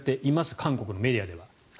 韓国のメディアでは。